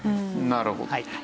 なるほど。